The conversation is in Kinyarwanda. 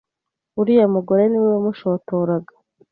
uriya mugore ni we wamushotoraga.